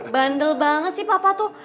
bandel banget sih papa tuh